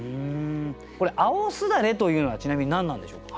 これ「青簾」というのはちなみに何なんでしょうか。